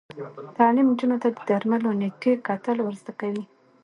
تعلیم نجونو ته د درملو د نیټې کتل ور زده کوي.